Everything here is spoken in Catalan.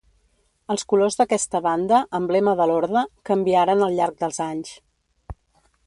Els colors d’aquesta banda, emblema de l'orde, canviaren al llarg dels anys.